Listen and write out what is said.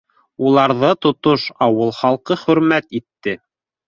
Уларҙы тотош ауыл халҡы хөрмәт итте.